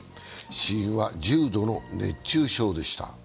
死因は重度の熱中症でした。